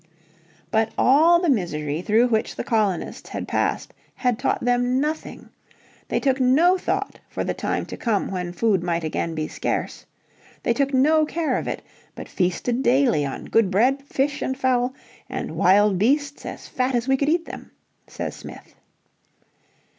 But all the misery through which the colonists had passed had taught them nothing. They took no thought for the time to come when food might again be scarce. They took no care of it, but feasted daily on good bread, fish and fowl and "wild beasts as fat as we could eat them," says Smith.